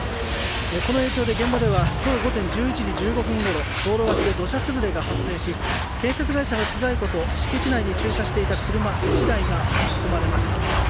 この影響で現場では今日午前１１時半ごろ道路脇で土砂崩れが発生し建設会社の資材庫と敷地内に駐車していた車１台が巻き込まれました。